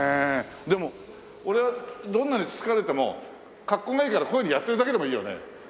でも俺はどんなに突かれても格好がいいからこういうふうにやってるだけでもいいよね。